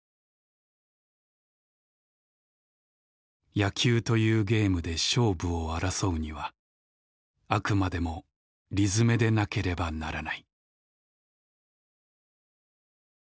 「野球というゲームで勝負を争うにはあくまでも理づめでなければならない」。